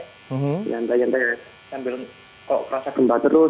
di lantai lantai sambil kok merasa gempa terus